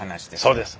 そうです。